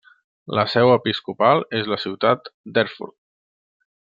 La seu episcopal és la ciutat d'Erfurt.